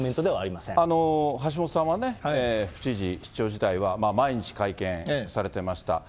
橋下さんはね、府知事、市長時代は毎日会見されてました。